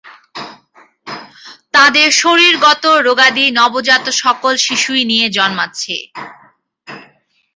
তাদের শরীরগত রোগাদি নবজাত সকল শিশুই নিয়ে জন্মাচ্ছে।